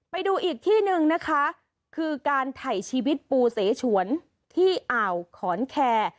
ไปดูอีกที่หนึ่งนะคะคือการถ่ายชีวิตปูเสฉวนที่อ่าวขอนแคร์